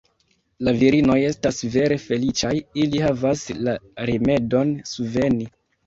La virinoj estas vere feliĉaj: ili havas la rimedon sveni.